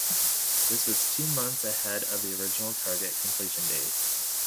This was two months ahead of the original target completion date.